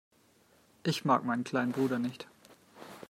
Ich mag meinen kleinen Bruder nicht.